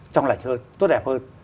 trong lạnh hơn tốt đẹp hơn